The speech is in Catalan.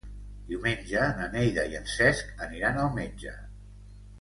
Diumenge na Neida i en Cesc aniran al metge.